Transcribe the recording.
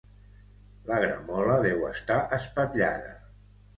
La gramola deu estar espatllada.